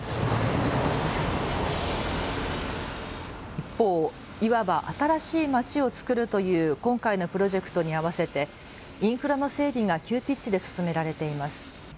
一方、いわば新しいまちをつくるという今回のプロジェクトに合わせてインフラの整備が急ピッチで進められています。